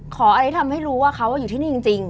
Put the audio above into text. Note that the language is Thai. อะไรที่ทำให้รู้ว่าเขาอยู่ที่นี่จริง